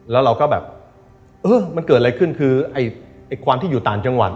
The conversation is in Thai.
แล้วเราก็แบบเออมันเกิดอะไรขึ้นคือไอ้ความที่อยู่ต่างจังหวัด